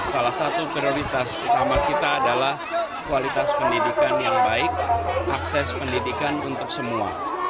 salah satu prioritas utama kita adalah kualitas pendidikan yang baik akses pendidikan untuk semua